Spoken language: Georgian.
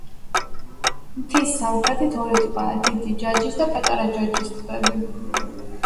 მთის სამხრეთით ორი ტბაა: დიდი ჯაჯის და პატარა ჯაჯის ტბები.